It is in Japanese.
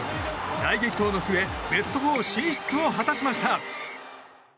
大激闘の末ベスト４進出を果たしました。